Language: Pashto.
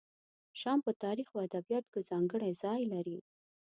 شام په تاریخ او ادبیاتو کې ځانګړی ځای لري.